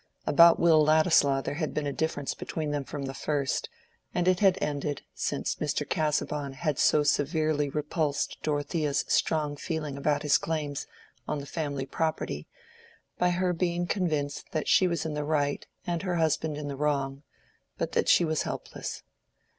About Will Ladislaw there had been a difference between them from the first, and it had ended, since Mr. Casaubon had so severely repulsed Dorothea's strong feeling about his claims on the family property, by her being convinced that she was in the right and her husband in the wrong, but that she was helpless.